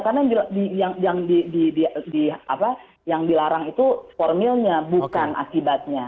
karena yang dilarang itu formilnya bukan akibatnya